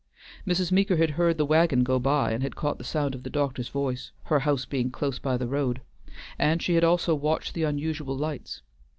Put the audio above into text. Mrs. Meeker had heard the wagon go by and had caught the sound of the doctor's voice, her house being close by the road, and she had also watched the unusual lights.